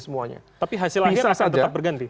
tapi hasil akhirnya akan tetap berganti